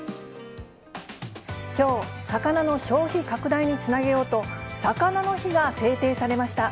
きょう、魚の消費拡大につなげようと、さかなの日が制定されました。